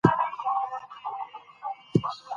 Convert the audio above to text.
مور د ماشوم د غاښونو پاکوالي ته پام کوي۔